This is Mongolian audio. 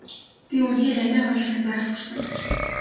Би үнэхээр амиа хорлохын заагт хүрсэн.